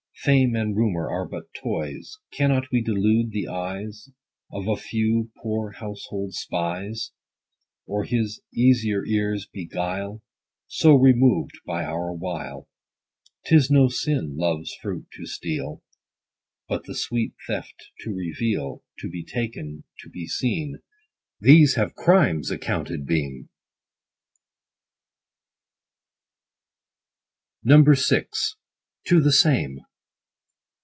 Fame and rumor are but toys. 10 Cannot we delude the eyes Of a few poor household spies ; Or his easier ears buguile, So removed by our wile ? 'Tis no sin love's fruit to steal, 15 But the sweet theft to reveal : To be taken, to be seen, These have crimes accounted been. VI. — TO THE SAME.